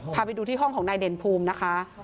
พาไปดูที่ห้องของนายเด่นภูมินะคะ